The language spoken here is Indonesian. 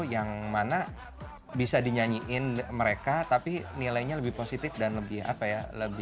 yang mana bisa dinyanyiin mereka tapi nilainya lebih positif dan lebih apa ya lebih